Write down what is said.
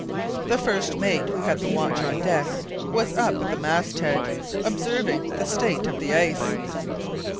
The first mate, who had the watch on deck, was up at the masthead, observing the state of the ice.